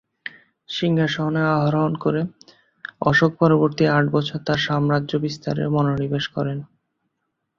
সিংহাসনে আরোহণ করে অশোক পরবর্তী আট বছর তার সাম্রাজ্য বিস্তারে মনোনিবেশ করেন।